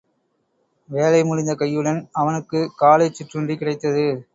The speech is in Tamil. வேலை முடிந்த கையுடன், அவனுக்குக் காலைச் சிற்றுண்டி கிடைத்தது.